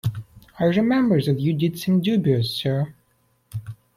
I remember that you did seem dubious, sir.